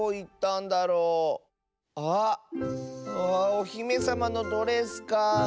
おひめさまのドレスかあ。